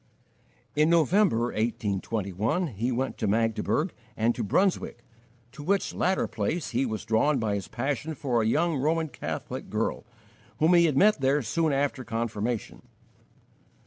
In November, 1821, he went to Magdeburg and to Brunswick, to which latter place he was drawn by his passion for a young Roman Catholic girl, whom he had met there soon after confirmation.